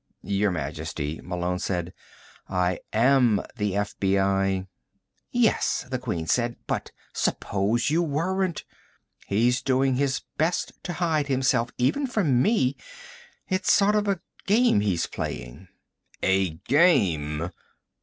"Your Majesty," Malone said, "I am the FBI." "Yes," the Queen said, "but suppose you weren't? He's doing his best to hide himself, even from me. It's sort of a game he's playing." "A game!"